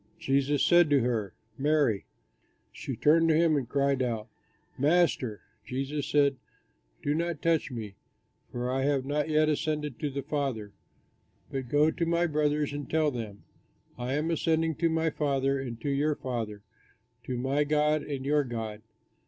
Jesus said to her, "Mary!" She turned to him and cried out, "Master!" Jesus said, "Do not touch me, for I have not yet ascended to the Father; but go to my brothers and tell them, 'I am ascending to my Father and to your Father, to my God and your God.'"